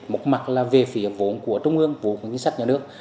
một mặt là về phía vốn của trung ương vốn của ngân sách nhà nước